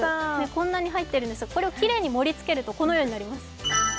こんなに入ってるんですがこれをきれいに盛り付けるとこうなります。